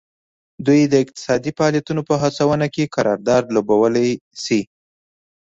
دوی د اقتصادي فعالیتونو په هڅونه کې کردار لوبولی شي